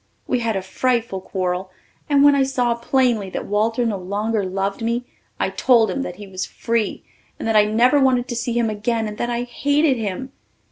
We had a frightful quarrel and when I saw plainly that Walter no longer loved me I told him that he was free and that I never wanted to see him again and that I hated him.